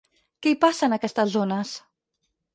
Què hi passa en aquestes zones?